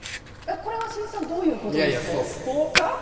これはしんいちさんどういうことですか？